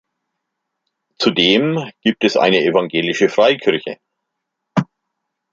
Zudem gibt es eine evangelische Freikirche.